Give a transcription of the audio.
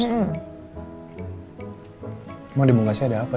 emang di bungkasnya ada apa